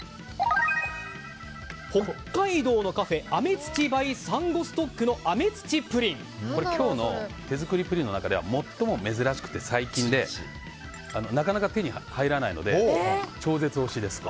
北海道のカフェ、あめつちｂｙ３５ｓｔｏｃｋの今日の手作りプリンの中では最も珍しくて最近でなかなか手に入らないので超絶おいしいです。